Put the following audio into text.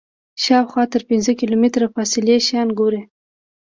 شاوخوا تر پنځه کیلومتره فاصلې شیان ګوري.